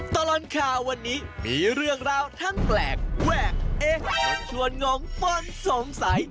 ตลอดข่าววันนี้มีเรื่องราวทั้งแปลกแวกเอ๊ะจะชวนงงป้นสงสัย